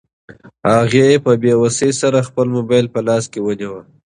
هغې په بې وسۍ سره خپل موبایل په لاس کې ونیو.